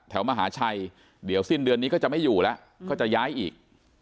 มหาชัยเดี๋ยวสิ้นเดือนนี้ก็จะไม่อยู่แล้วก็จะย้ายอีก